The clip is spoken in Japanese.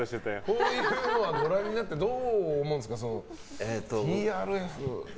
こういうのご覧になってどう思うんですか？